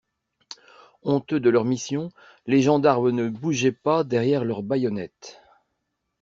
Honteux de leur mission, les gendarmes ne bougeaient pas derrière leurs baïonnettes.